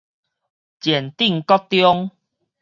前鎮國中